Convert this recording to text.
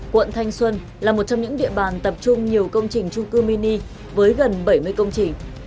quận thanh xuân là một trong những địa bàn tập trung nhiều công trình trung cư mini với gần bảy mươi công trình